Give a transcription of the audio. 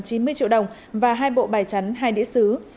triệu đồng và hai bộ bài chắn hai đĩa xứ